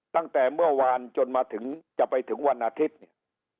ตั้งแต่เมื่อวานจนมาถึงจะไปถึงวันอาทิตย์เนี่ย